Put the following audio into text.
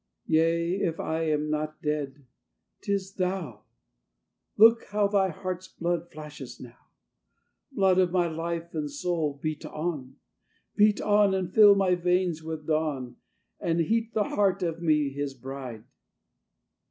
Yea, if I am not dead, 'tis thou! Look how thy heart's blood flashes now! Blood of my life and soul, beat on! Beat on! and fill my veins with dawn; And heat the heart of me, his bride!"